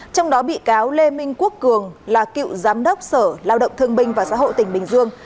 trong đó bị cáo lê minh quốc cường là cựu giám đốc sở lao động thương binh và xã hội tỉnh bình dương